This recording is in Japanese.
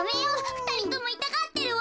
ふたりともいたがってるわ！